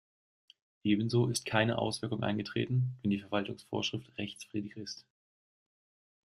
Ebenso ist keine Außenwirkung eingetreten, wenn die Verwaltungsvorschrift rechtswidrig ist.